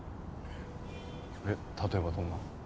えっ例えばどんな？